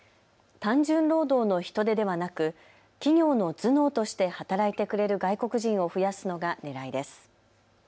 単純労働の人手ではなく企業の頭脳として働いてくれる外国人を増やすのがねらいです。